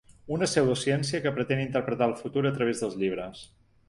Una pseudociència que pretén interpretar el futur a través dels llibres.